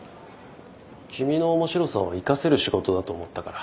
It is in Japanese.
君の面白さを生かせる仕事だと思ったから。